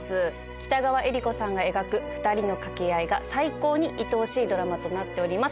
北川悦吏子さんが描く２人の掛け合いが最高に愛おしいドラマとなっております